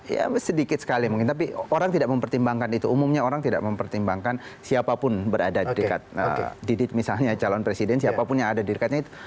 ya sedikit sekali mungkin tapi orang tidak mempertimbangkan itu umumnya orang tidak mempertimbangkan siapapun berada di dekat didit misalnya calon presiden siapapun yang ada di dekatnya itu